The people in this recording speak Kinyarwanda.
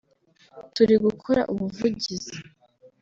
turi gukora ubuvugizi